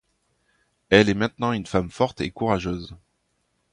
Elle est maintenant une femme forte et courageuse.